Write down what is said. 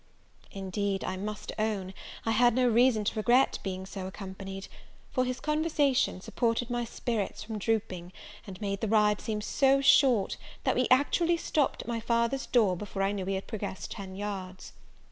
Indeed, I must own, I had no reason to regret being so accompanied; for his conversation supported my spirits from drooping, and made the ride seem so short, that we actually stopped at my father's door, before I knew we had proceeded ten yards.